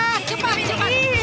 cepat cepat cepat